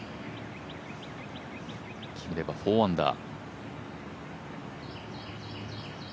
決めれば４アンダー。